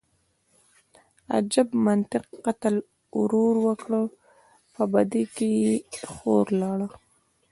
_اجب منطق، قتل ورور وکړ، په بدۍ کې يې خور لاړه.